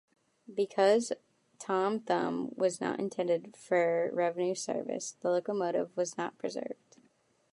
Because "Tom Thumb" was not intended for revenue service, the locomotive was not preserved.